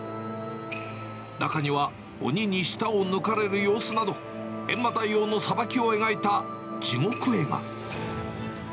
中には、鬼に舌を抜かれる様子など、閻魔大王の裁きを描いた地獄絵が。